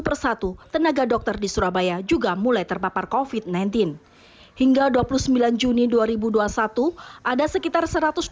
persatu tenaga dokter di surabaya juga mulai terpapar kofit sembilan belas hingga dua puluh sembilan juni dua ribu dua puluh satu ada sekitar